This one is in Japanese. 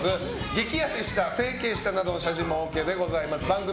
激痩せした整形したなどの写真もＯＫでございます。